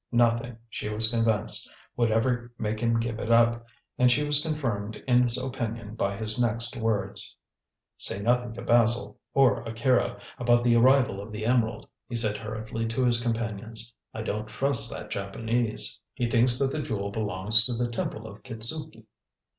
Nothing, she was convinced, would ever make him give it up, and she was confirmed in this opinion by his next words. "Say nothing to Basil, or Akira, about the arrival of the emerald," he said hurriedly to his companions. "I don't trust that Japanese. He thinks that the Jewel belongs to the Temple of Kitzuki."